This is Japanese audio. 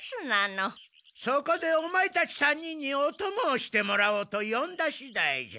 そこでオマエたち３人におともをしてもらおうとよんだ次第じゃ。